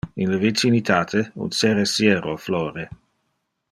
In le vicinitate un ceresiero flore.